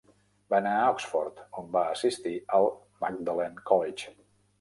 Va anar a Oxford, on va assistir al Magdalen College.